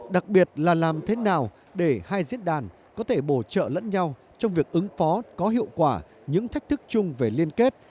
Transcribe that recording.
đặc biệt là làm thế nào để hai diễn đàn có thể bổ trợ lẫn nhau trong việc ứng phó có hiệu quả những thách thức chung về liên kết